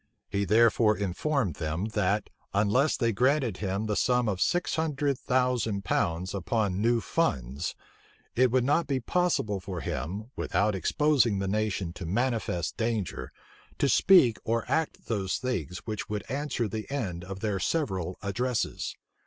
He therefore informed them, that, unless they granted him the sum of six hundred thousand pounds upon new funds, it would not be possible for him, without exposing the nation to manifest danger, to speak or act those things which would answer the end of their several addresses.